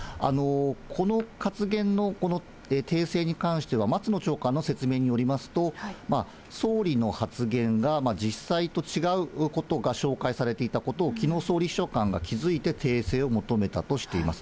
この発言のこの訂正に関しては、松野長官の説明によりますと、総理の発言が実際と違うことが紹介されていたことをきのう総理秘書官が気付いて、訂正を求めたとしています。